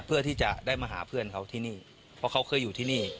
เพื่อที่จะได้มาหาเพื่อนเขาที่นี่เพราะเขาเคยอยู่ที่นี่